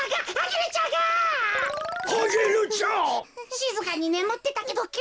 しずかにねむってたけどきゅうに。